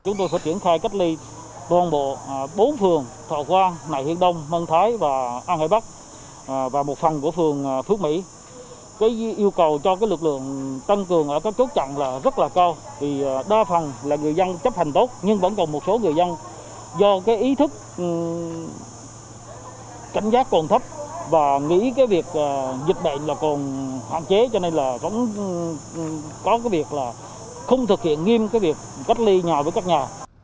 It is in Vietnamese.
người dân chấp hành tốt nhưng vẫn còn một số người dân do ý thức cảnh giác còn thấp và nghĩ việc dịch bệnh còn hạn chế cho nên không thực hiện nghiêm việc cách ly nhà với các nhà